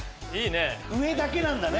上だけなんだね。